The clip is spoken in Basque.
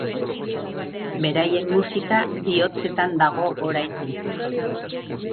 Beraien musika bihotzetan dago oraindik.